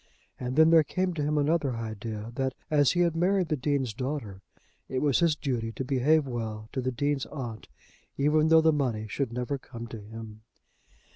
And then there came to him another idea, that as he had married the Dean's daughter, it was his duty to behave well to the Dean's aunt, even though the money should never come to him.